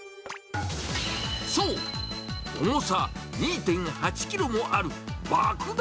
そう、重さ２．８キロもある爆弾